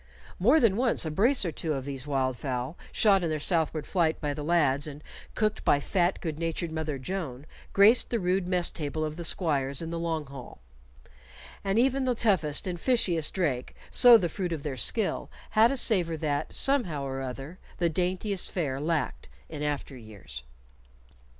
More than once a brace or two of these wildfowl, shot in their southward flight by the lads and cooked by fat, good natured Mother Joan, graced the rude mess table of the squires in the long hall, and even the toughest and fishiest drake, so the fruit of their skill, had a savor that, somehow or other, the daintiest fare lacked in after years.